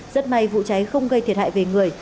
rất may vụ cháy không gây thiệt hại về người